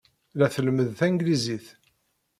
La tlemmed tanglizit.